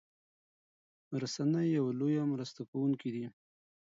رسنۍ يو لويه مرسته کوونکي دي